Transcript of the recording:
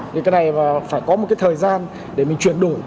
thì cái này phải có một cái thời gian để mình chuyển đổi